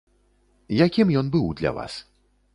Якім ён быў для вас?